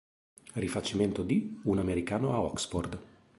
Rifacimento di "Un americano a Oxford".